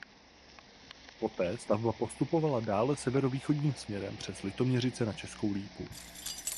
Poté stavba postupovala dále severovýchodním směrem přes Litoměřice na Českou Lípu.